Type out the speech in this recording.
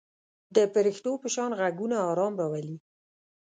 د پرښتو په شان غږونه آرام راولي.